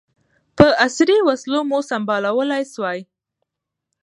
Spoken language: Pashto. په عصري وسلو مو سمبالولای سوای.